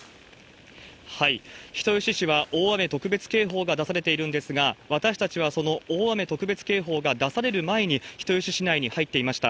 人吉市は大雨特別警報が出されているんですが、私たちはその大雨特別警報が出される前に人吉市内に入っていました。